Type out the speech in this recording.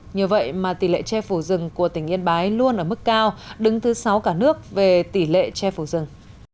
nhờ vậy mà tỷ lệ che phủ rừng của tỉnh yên bái luôn ở mức cao đứng thứ sáu cả nước về tỷ lệ che phủ rừng